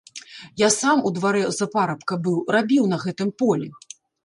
Я сам у дварэ за парабка быў, рабіў на гэтым полі.